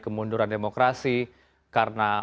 kemunduran demokrasi karena